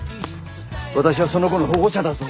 私はその子の保護者だぞ。